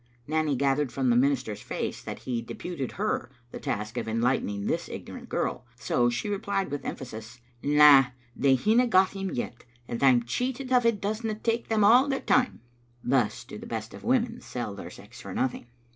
Nanny gathered from the minister's face that he de puted to her the task of enlightening this ignorant girl, so she replied with emphasis, " Na, they hinna got him yet, and I'm cheated if it doesna tak them all their time." Thus do the best of women sell their sex for nothing.